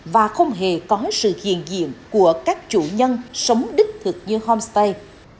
và không hề có sự hiền diện của các chủ nhân sống đích thực như homestay